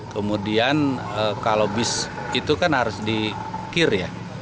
kemudian kalau bis itu kan harus dikir ya